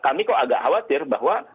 kami kok agak khawatir bahwa